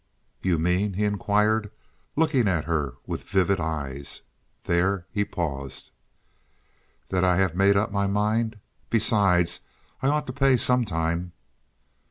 "You mean—?" he inquired, looking at her with vivid eyes. There he paused. "That I have made up my mind. Besides, I ought to pay some time."